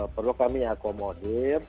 perlu kami akomodir